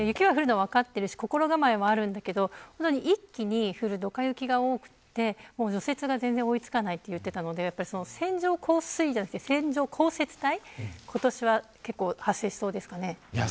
心構えもあるんだけど一気に降るどか雪が多くて除雪が全然追い付かないと言っていので線状降水帯ではなくて線状降雪帯が今年は結構発生しそうですかね。